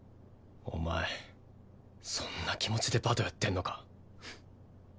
お前そんな気持ちでバドやってんのか。